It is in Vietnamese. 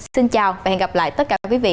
xin chào và hẹn gặp lại tất cả quý vị